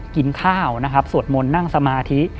กินข้าวนะครับสวดมนต์นั่งสมาธิ